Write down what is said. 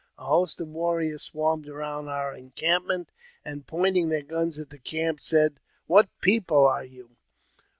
A host of warriors swarmed around our encampment, and pointing their guns at the camp, said, "What people are you?